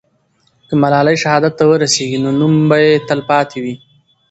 که ملالۍ شهادت ته ورسېږي، نو نوم به یې تل پاتې وي.